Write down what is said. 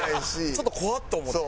ちょっと怖っ！と思って。